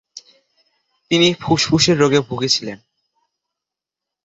তিনি ফুসফুসের রোগে ভুগছিলেন।